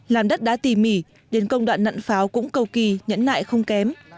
làm đất đã tỉ mỉ nên công đoạn nặn pháo cũng cầu kỳ nhẫn nại không kém